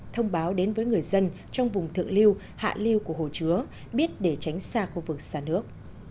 thông báo đến với người dân trong vùng thượng lưu hạ lưu của hồ chứa biết để tránh xa khu vực xa nước